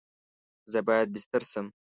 زه باید بیستر سم؟